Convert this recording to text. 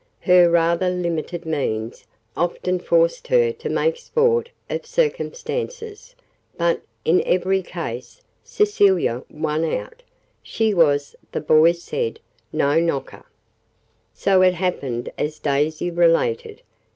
Her rather limited means often forced her to make sport of circumstances, but, in every case, Cecilia "won out." She was, the boys said, "no knocker." So it happened as Daisy related.